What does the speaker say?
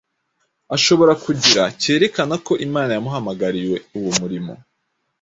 ashobora kugira cyerekana ko Imana yamuhamagariye uwo murimo.